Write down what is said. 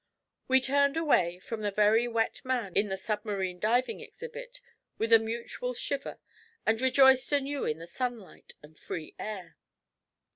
We turned away from the very wet man in the submarine diving exhibit with a mutual shiver, and rejoiced anew in the sunlight and free air.